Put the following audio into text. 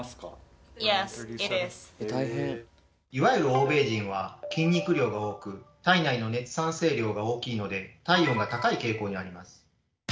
いわゆる欧米人は筋肉量が多く体内の熱産生量が大きいので体温が高い傾向にあります。